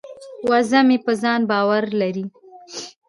وزه مې په ځان باور لري.